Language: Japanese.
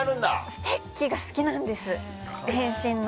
ステッキが好きなんです変身の。